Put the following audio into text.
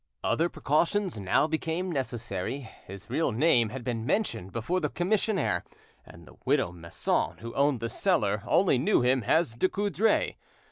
Other precautions now became necessary. His real name had been mentioned before the commissionaire, and the widow Masson, who owned the cellar, only knew him as Ducoudray.